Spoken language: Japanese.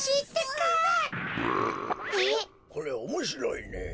これおもしろいね。